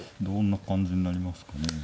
どんな感じになりますかね。